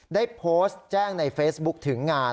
ได้โพสต์แจ้งในเฟซบุ๊คถึงงาน